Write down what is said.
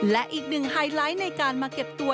และอีกหนึ่งไฮไลท์ในการมาเก็บตัว